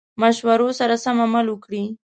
مشورو سره سم عمل وکړي.